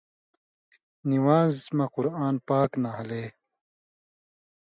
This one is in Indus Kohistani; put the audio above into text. نِوان٘ز مہ قرآن پاک نھالے،